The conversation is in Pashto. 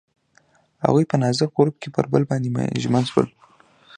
هغوی په نازک غروب کې پر بل باندې ژمن شول.